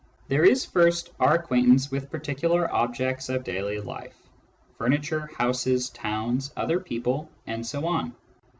There is first our acquaintance with par^cular objects of daily life — furniture, houses, towns, other people, and so on.